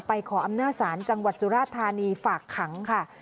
ขออำนาจศาลจังหวัดสุราธานีฝากขังค่ะ